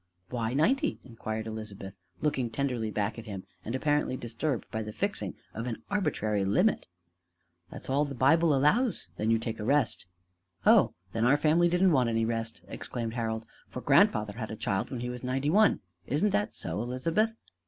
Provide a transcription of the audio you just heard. "Why ninety?" inquired Elizabeth, looking tenderly back at him and apparently disturbed by the fixing of an arbitrary limit. "That's all the Bible allows; then you take a rest." "Oh, then our family didn't want any rest," exclaimed Harold; "for grandfather had a child when he was ninety one: isn't that so, Elizabeth?"